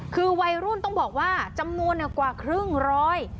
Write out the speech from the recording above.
คือวัยรุ่นต้องบอกว่าจำนวนกว่าครึ่งร้อย